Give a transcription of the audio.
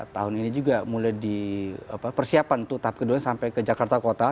tahun ini juga mulai di persiapan tuh tahap kedua sampai ke jakarta kota